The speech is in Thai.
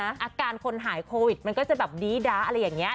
อาการคนหายโควิดมันก็จะแบบดีดะอะไรอย่างนี้